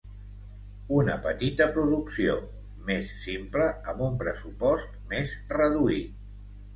Una petita producció: més simple, amb un pressupost més reduït.